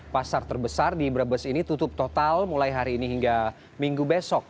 pasar terbesar di brebes ini tutup total mulai hari ini hingga minggu besok